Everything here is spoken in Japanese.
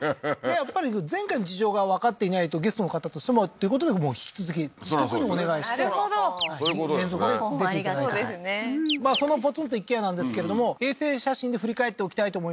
やっぱり前回の事情がわかっていないとゲストの方としてもっていうことでもう引き続きそらそうだねなるほど連続で出ていただいてもうありがとうですねまあそのポツンと一軒家なんですけれども衛星写真で振り返っておきたいと思います